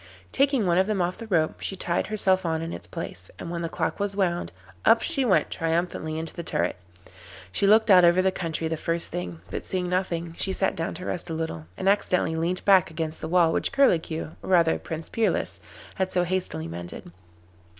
Taking one of them off the rope, she tied herself on in its place, and when the clock was wound, up she went triumphantly into the turret. She looked out over the country the first thing, but seeing nothing she sat down to rest a little, and accidentally leant back against the wall which Curlicue, or rather Prince Peerless, had so hastily mended.